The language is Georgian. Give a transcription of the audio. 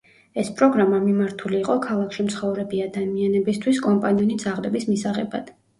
ეს პროგრამა მიმართული იყო ქალაქში მცხოვრები ადამიანებისთვის კომპანიონი ძაღლების მისაღებად.